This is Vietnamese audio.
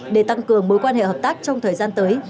để tăng cường mối quan hệ hợp tác trong thời gian tới